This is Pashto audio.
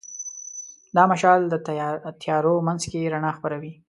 دا مشال د تیارو منځ کې رڼا خپروي.